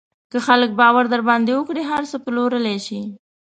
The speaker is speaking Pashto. که خلک باور در باندې وکړي، هر څه پلورلی شې.